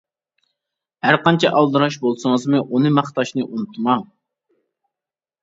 ھەر قانچە ئالدىراش بولسىڭىزمۇ ئۇنى ماختاشنى ئۇنتۇماڭ.